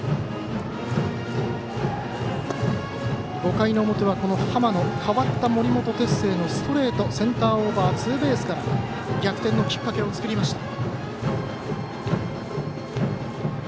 ５回の表は浜野、代わった森本哲星のストレート、センターオーバーツーベースから逆転のきっかけを作りました。